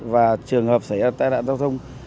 và trường hợp xảy ra tai nạn giao thông